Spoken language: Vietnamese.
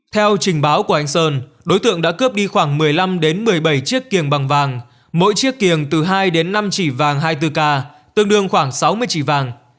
theo trình báo của anh sơn đối tượng đã cướp đi khoảng một mươi năm một mươi bảy chiếc kiềng bằng vàng mỗi chiếc kiềng từ hai đến năm chỉ vàng hai mươi bốn k tương đương khoảng sáu mươi chỉ vàng